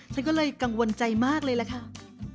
ฉันก็เลยกังวลใจมากเลยแหละค่ะ